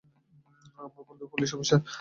আমার বন্ধুও police officer.